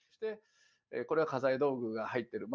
これは家財道具が入ってる。